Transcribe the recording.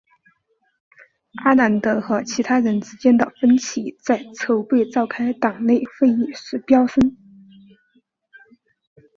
阿南德和其他人之间的分歧在筹备召开党内会议时飙升。